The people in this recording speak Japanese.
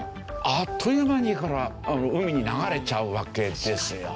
あっという間に海に流れちゃうわけですよ。